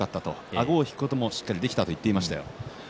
あごを引くこともしっかりできていたと言っていました。